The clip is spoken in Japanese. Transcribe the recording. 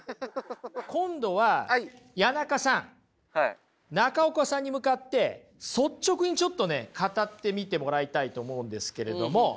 今度は谷中さん中岡さんに向かって率直にちょっとね語ってみてもらいたいと思うんですけれども。